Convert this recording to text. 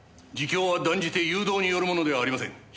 自供は断じて誘導によるものではありません。